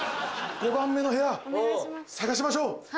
５番目の部屋探しましょう。